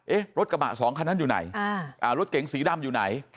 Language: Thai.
รถกระบะสองคันนั้นอยู่ไหนรถเก๋งสีดำอยู่ไหน